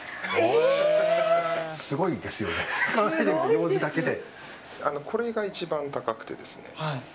すごいですよね、ようじだけで。